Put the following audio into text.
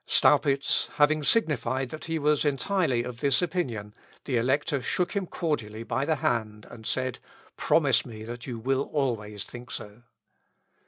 '" Staupitz having signified that he was entirely of this opinion, the Elector shook him cordially by the hand, and said, "Promise me that you will always think so."